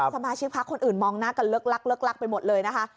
สมาชิกพักคนอื่นมองหน้ากันเลิกลักไปหมดเลยนะคะ